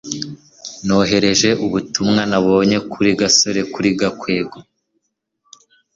nohereje ubutumwa nabonye kuri gasore kuri gakwego